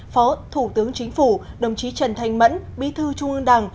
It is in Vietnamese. phó thủ tướng chính phủ đồng chí trần thanh mẫn bí thư trung ương đảng